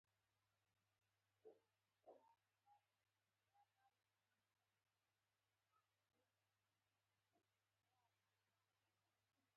توپیر دادی چې دلته د لمانځه لپاره څوک نه وهي.